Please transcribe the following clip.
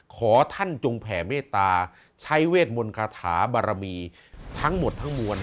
ขอท่านจงแผ่เมตตาใช้เวทมนต์คาถาบารมีทั้งหมดทั้งมวล